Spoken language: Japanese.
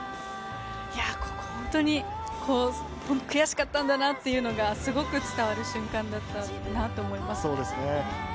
ここ本当に悔しかったんだなっていうのが、すごく伝わる瞬間だったんだと思います。